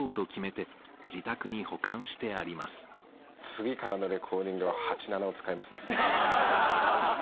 次からのレコーディングは８７を使いますね。